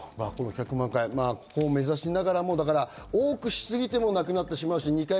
１００万回を目指しながらも多く過ぎてもなくなってしまう。